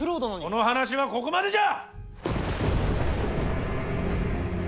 この話はここまでじゃ！